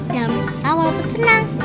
jangan sesal wapun senang